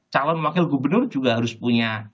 calon wakil gubernur juga harus punya